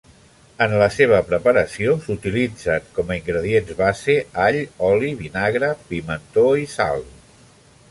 En la seva preparació s'utilitzen com a ingredients base: all, oli, vinagre, pimentó i sal.